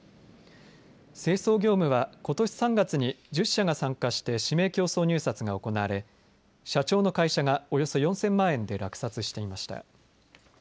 清掃業務は、ことし３月に１０社が参加して指名競争入札が行われ社長の会社がおよそ４０００万円で落札していました。